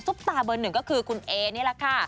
ซุปตาเบอร์๑ก็คือคุณเอนี่แหละค่ะ